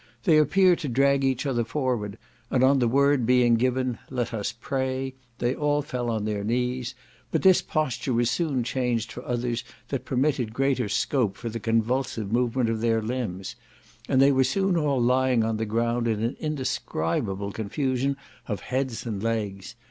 They appeared to drag each other forward, and on the word being given, "let us pray," they all fell on their knees; but this posture was soon changed for others that permitted greater scope for the convulsive movements of their limbs; and they were soon all lying on the ground in an indescribable confusion of heads and legs.